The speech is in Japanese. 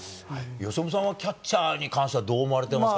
由伸さんは、キャッチャーに関してはどう思われてますか？